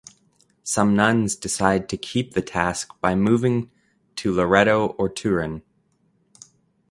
Some nuns decide to keep the task by moving to Loreto or Turin.